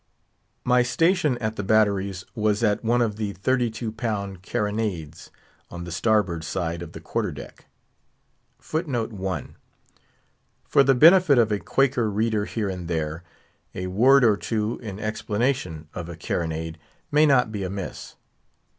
My station at the batteries was at one of the thirty two pound carronades, on the starboard side of the quarter deck. For the benefit of a Quaker reader here and there, a word or two in explanation of a carronade may not be amiss.